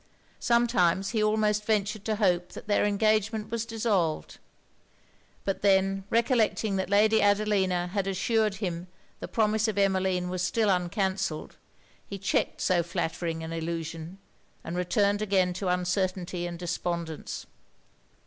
Sometimes he almost ventured to hope that their engagement was dissolved: but then recollecting that Lady Adelina had assured him the promise of Emmeline was still uncancelled, he checked so flattering an illusion, and returned again to uncertainty and despondence.